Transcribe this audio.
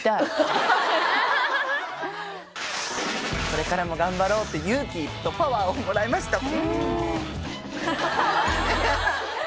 これからも頑張ろうって勇気とパワーをもらいました